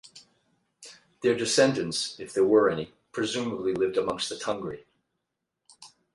Their descendants, if there were any, presumably lived amongst the Tungri.